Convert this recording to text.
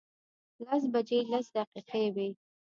لس بجې لس دقیقې وې.